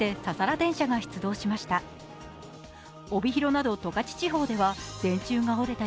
電車が出動しました。